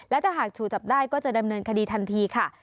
และถ้าหากถูกจับได้ก็จะดำเนินคดีทันทีค่ะ